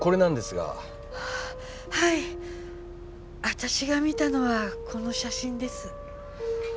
私が見たのはこの写真です。